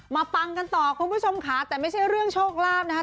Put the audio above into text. ปังกันต่อคุณผู้ชมค่ะแต่ไม่ใช่เรื่องโชคลาภนะครับ